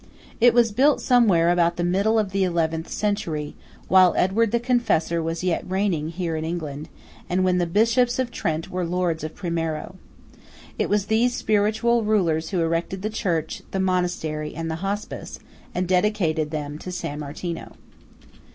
It was built somewhere about the middle of the eleventh century, while Edward the Confessor was yet reigning here in England, and when the Bishops of Trent were lords of Primiero. It was these spiritual rulers who erected the church, the monastery, and the Hospice, and dedicated them to San Martino.